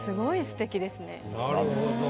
なるほど。